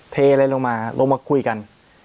เทอะไรลงมาลงมาคุยกัน